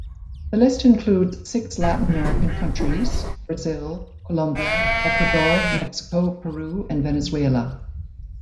The list includes six Latin American countries: Brazil, Colombia, Ecuador, Mexico, Peru and Venezuela.